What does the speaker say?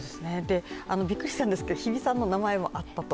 びっくりしたんですけれども日比さんの名前もあったと。